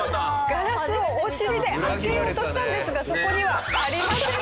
ガラスをお尻で開けようとしたんですがそこにはありませんでした。